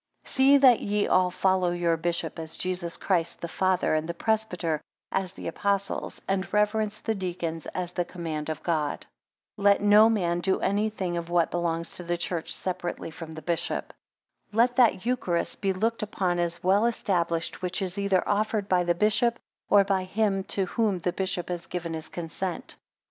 SEE that ye all follow your bishop, as Jesus Christ, the Father; and the presbytery, as the Apostles; and reverence the deacons, as the command of God. 2 Let no man do any thing of what belongs to the church separately from the bishop. 3 Let that eucharist be looked upon as well established, which is either offered by the bishop, or by him to whom the bishop has given. his consent.